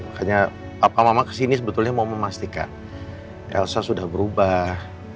makanya papa mama kesini sebetulnya mau memastikan elsa sudah berubah